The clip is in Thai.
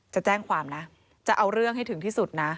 จะแจ้งความนะจะเอาเรื่องให้ถึงที่สุดนะ